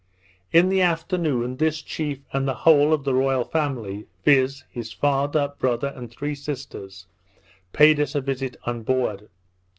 In the afternoon, this chief and the whole of the royal family, viz. his father, brother, and three sisters, paid us a visit on board.